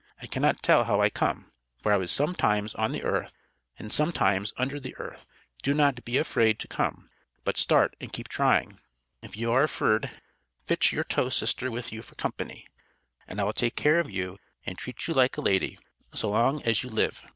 I cannot tell how I come, for I was some times on the earth and some times under the earth Do not Bee afraid to come But start and keep trying, if you are afrid fitch your tow sister with you for compeny and I will take care of you and treat you like a lady so long as you live.